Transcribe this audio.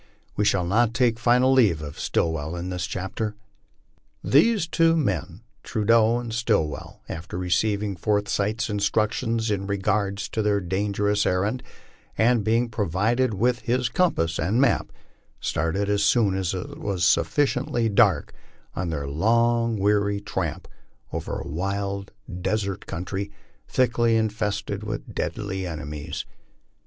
We shall not take final leave of Stillwell in this chapter. These two men, Trudeau and Stillwell, after receiving Forsytn's instruc tions in regard to their dangerous errand, and being provided with his com pass and map, started as soon as it was sufficiently dark on thir long, weary tramp over a wild, desert country, thickly infested with deadly enemies.